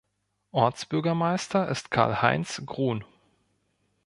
Ortsbürgermeister ist Karl-Heinz Grun.